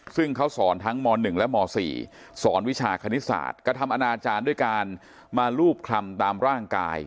ซึ่งเขาสอนทั้งม๑และม๔สอนวิชาคณิตศาสตร์กระทำอนาจารย์ด้วยการมารูปคลำตามร่างกาย